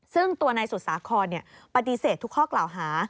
ซึ่งตัวนายสุสาครปฏิเสธทุกข้อกล่าวหา